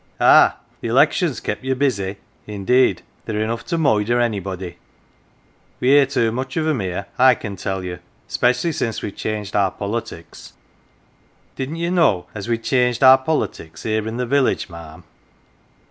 Ah, the elections kept ye busy ? Indeed they're enough to moider anybody we hear too much of 'em here, I can tell you. Specially since we've changed our politics. Didn't ye know as we'd changed our politics here in the village, ma'am